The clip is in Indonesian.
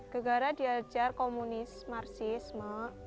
gegara diajar komunis marsisme